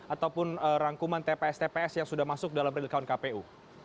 ataupun rangkuman tps tps yang sudah masuk dalam real count kpu